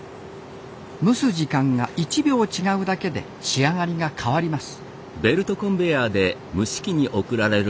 蒸す時間が１秒違うだけで仕上がりが変わります